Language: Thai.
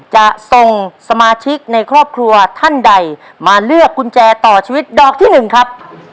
จะส่งสมาชิกในครอบครัวท่านใดมาเลือกกุญแจต่อชีวิตดอกที่หนึ่งครับ